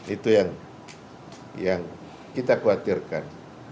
itu yang kita khawatirkan